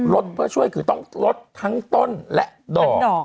เพื่อช่วยคือต้องลดทั้งต้นและดอก